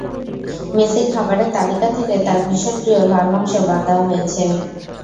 মেসির খাবারের তালিকা থেকে তাঁর ভীষণ প্রিয় লাল মাংস বাদ দেওয়া হয়েছে।